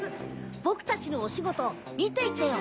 ボクたちのおしごとみていってよ。